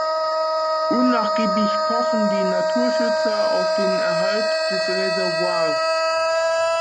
Unnachgiebig pochen die Naturschützer auf den Erhalt des Reservoirs.